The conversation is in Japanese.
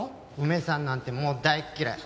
梅さんなんてもう大っ嫌い。